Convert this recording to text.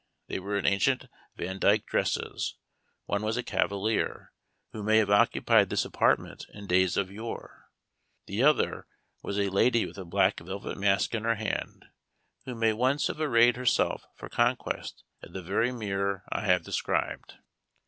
They were in ancient Vandyke dresses; one was a cavalier, who may have occupied this apartment in days of yore, the other was a lady with a black velvet mask in her hand, who may once have arrayed herself for conquest at the very mirror I have described.